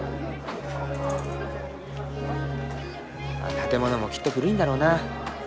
建物もきっと古いんだろうな。